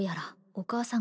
お母さん？